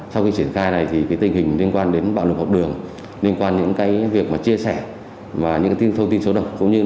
sau khi triển khai này thì tình hình liên quan đến bạo lục học đường liên quan đến những việc chia sẻ và những thông tin số động